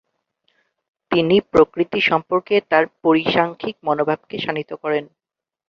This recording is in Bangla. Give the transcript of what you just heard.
তিনি প্রকৃতি সম্পর্কে তার পরিসাংখ্যিক মনোভাবকে শাণিত করেন।